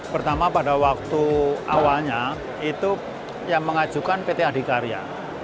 pertama pada waktu awalnya itu yang mengajukan pt adikarya